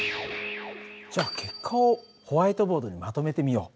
じゃあ結果をホワイトボードにまとめてみよう。